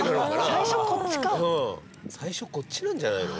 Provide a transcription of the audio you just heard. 最初こっちなんじゃないの？